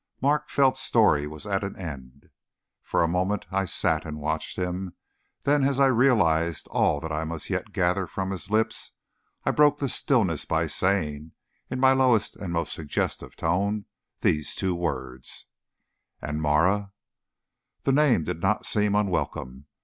Mark Felt's story was at an end. For a moment I sat and watched him; then, as I realized all that I must yet gather from his lips, I broke the stillness by saying, in my lowest and most suggestive tone, these two words: "And Marah?" The name did not seem unwelcome.